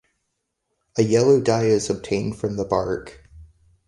A yellow dye is obtained from the bark.